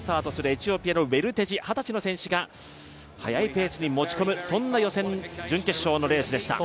エチオピアのウェルテジ、二十歳の選手が速いペースに持ち込む、そんな準決勝のレースでした。